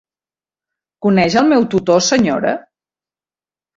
Coneix el meu tutor, senyora?